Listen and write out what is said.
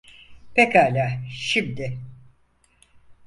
Pekala, şimdi!